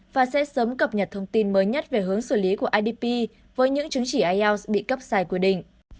và sẽ sớm cập nhật thông tin mới nhất về hướng xử lý của idp với những chứng chỉ ielts bị cấp sai quy định